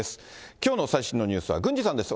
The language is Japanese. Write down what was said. きょうの最新のニュースは郡司さんです。